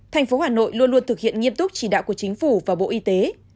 thành phố hà nội luôn luôn thực hiện nghiêm túc chỉ đạo của chính phủ và bộ y tế